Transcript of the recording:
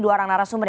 dua orang narasumber